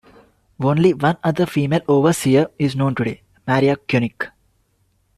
Only one other female overseer is known today, Maria Kunik.